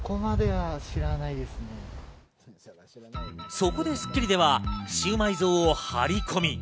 そこで『スッキリ』ではシウマイ像を張り込み。